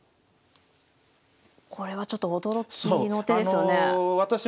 これはちょっと驚きの手ですよね。